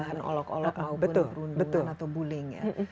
bahan olok olok maupun perundungan atau bullying ya